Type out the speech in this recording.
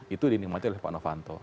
itu dinikmati oleh pak novanto